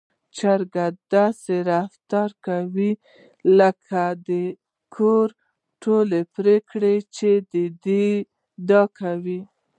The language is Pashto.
چرګې داسې رفتار کوي لکه د کور ټولې پرېکړې چې دوی کوي.